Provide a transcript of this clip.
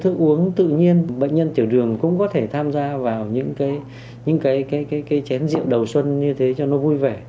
thức uống tự nhiên bệnh nhân tiểu đường cũng có thể tham gia vào những cái chén rượu đầu xuân như thế cho nó vui vẻ